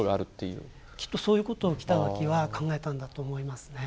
きっとそういうことを北脇は考えたんだと思いますね。